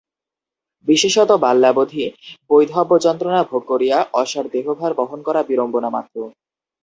বিশেষত বাল্যাবধি বৈধব্যযন্ত্রণা ভোগ করিয়া অসার দেহভার বহন করা বিড়ম্বনামাত্র।